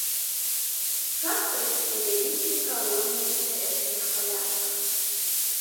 Часта расце вялікімі калоніямі на лясных палянах.